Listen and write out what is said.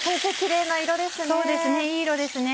いい色ですね